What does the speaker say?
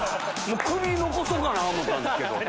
首残そうかな思うたんすけど。